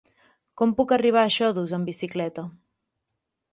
Com puc arribar a Xodos amb bicicleta?